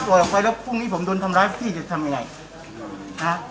ตัวออกแล้วพรุ่งนี้ผมทำร้ายที่จะทำยังไงอ่า